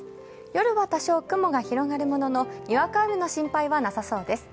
夜は多少、雲が広がるもののにわか雨の心配はなさそうです。